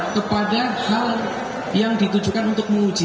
kepada hal yang ditujukan untuk menguji